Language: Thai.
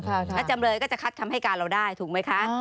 แล้วจำเลยก็จะคัดคำให้การเราได้ถูกไหมคะ